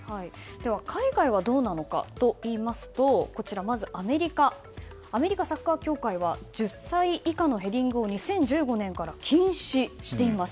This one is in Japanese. では、海外はどうなのかといいますとまず、アメリカサッカー協会は１０歳以下のヘディングを２０１５年から禁止しています。